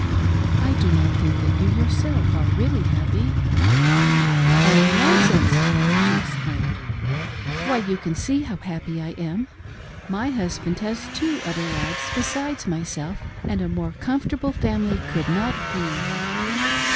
I do not think that you yourself are really happy." " Oh, nonsense !" she exclaimed. " Why you can see how happy I am. My husband has two other wives, besides myself, and a more comfortable family could not be."